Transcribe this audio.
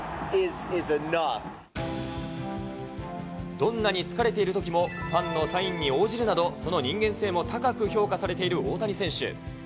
どんなに疲れているときも、ファンのサインに応じるなど、その人間性も高く評価されている大谷選手。